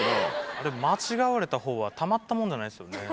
あれ間違われたほうはたまったもんじゃないですよね。